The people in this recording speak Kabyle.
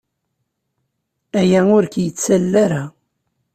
Aya ur k-yettalel ara.